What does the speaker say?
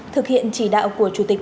thực hiện chỉ đạo của chủ tịch